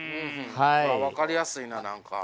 分かりやすいな何か。